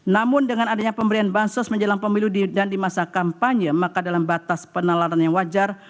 namun dengan adanya pemberian bansos menjelang pemilu dan di masa kampanye maka dalam batas penalaran yang wajar